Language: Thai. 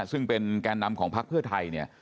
ซึ่งเป็นแก่นำของพักเพื่อไทยเนี่ย